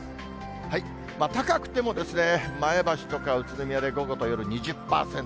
高くても前橋とか宇都宮で午後と夜２０％。